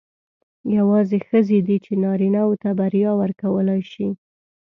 یوازې ښځې دي چې نارینه وو ته بریا ورکولای شي.